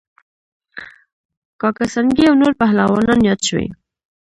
کاکه سنگی او نور پهلوانان یاد شوي